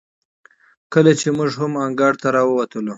کله چې موږ هم انګړ ته راووتلو،